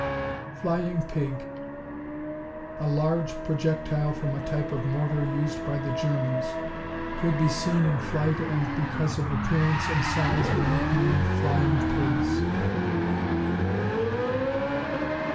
Flying pig A large projectile from a type of mortar used by the Germans. Could be seen in flight and because of appearance and size were nicknamed "flying pigs."